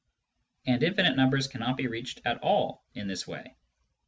And infinite numbers cannot be reached at all in this way.